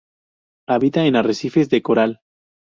Habita en arrecifes de coral.